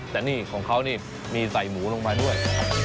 แต่นี่ของเขานี่มีใส่หมูลงมาด้วย